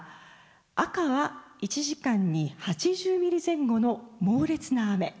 赤は１時間に８０ミリ前後の猛烈な雨。